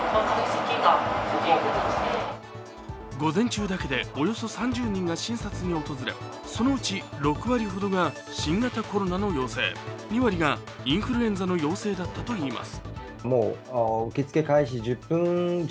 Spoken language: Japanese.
午前中だけでおよそ３０人が診察に訪れそのうち６割ほどが新型コロナの陽性、２割がインフルエンザの陽性だったといいます。